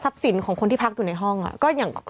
ซับสินของคนที่พักอยู่ในห้องอะก็อย่าง